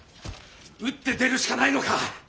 打って出るしかないのか！